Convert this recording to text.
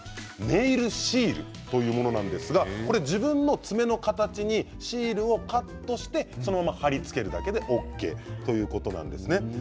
ネイルシールというものなんですが自分の爪の形にシールをカットしてそのまま貼り付けるだけでＯＫということなんです。